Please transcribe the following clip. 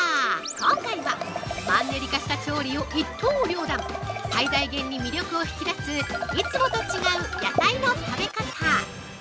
今回はマンネリ化した調理を一刀両断最大限に魅力を引き出すいつもと違う野菜の食べ方。